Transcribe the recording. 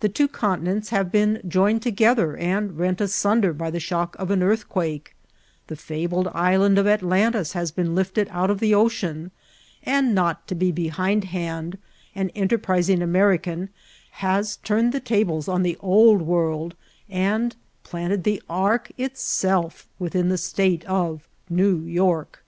The two continents have been joined together and rent ammder by the shock of an earthquake ; the fabled island of Atlantis has been lift ed out of the ocean; and, not to be bdiindhand, an ^iterprising American has tiime\l the tables on tfie Old World, and planted the ark itself within the State of New York.